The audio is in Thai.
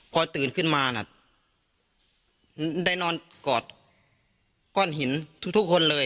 พอตื่นขึ้นมาน่ะได้นอนกอดก้อนหินทุกคนเลย